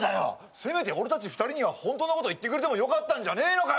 せめて俺たち２人には本当のことを言ってくれてもよかったんじゃねーのかよ。